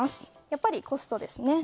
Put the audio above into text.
やっぱりコストですね。